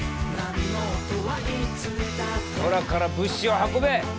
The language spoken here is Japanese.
空から物資を運べ！